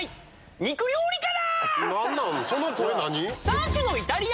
肉料理から！